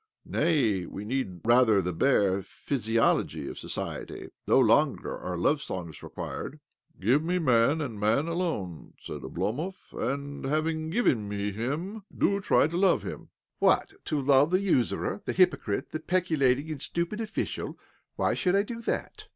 Nay, we need, rather, the bare physiology of society. No longer are love songs required." " Give me man, and man alone," said Oblomov. " And, having given me him', do you try to love him." " What? To love the usurer, the hypo crite, the peculating and stupid official? Why should I do that?